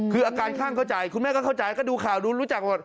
คืออาการข้างเข้าใจคุณแม่ก็เข้าใจก็ดูข่าวดูรู้จักหมด